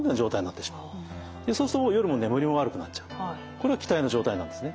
これが気滞の状態なんですね。